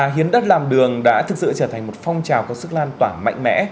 hiến đất làm đường đã thực sự trở thành một phong trào có sức lan tỏa mạnh mẽ